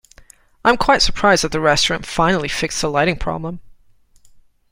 I am quite surprised that the restaurant finally fixed the lighting problem.